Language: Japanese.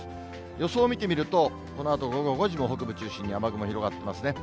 予想を見てみると、このあと午後５時も北部中心に雨雲広がってますね。